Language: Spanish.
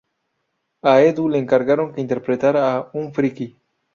A Edu le encargaron que interpretara a un friki.